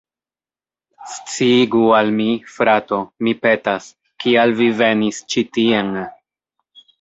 Sciigu al mi, frato, mi petas, kial vi venis ĉi tien.